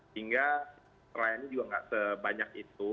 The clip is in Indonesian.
hingga layanannya juga gak sebanyak itu